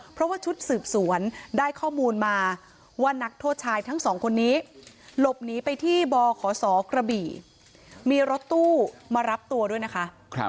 เพราะว่าชุดสืบสวนได้ข้อมูลมาว่านักโทษชายทั้งสองคนนี้หลบหนีไปที่บขศกระบี่มีรถตู้มารับตัวด้วยนะคะ